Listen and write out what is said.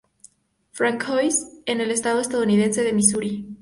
Francois en el estado estadounidense de Misuri.